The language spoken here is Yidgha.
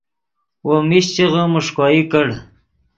وو میشچغے میݰکوئی کڑ